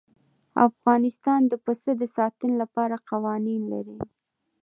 افغانستان د پسه د ساتنې لپاره قوانین لري.